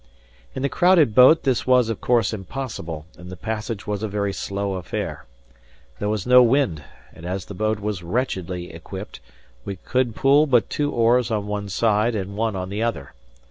In the crowded boat this was of course impossible, and the passage was a very slow affair. There was no wind, and as the boat was wretchedly equipped, we could pull but two oars on one side, and one on the other.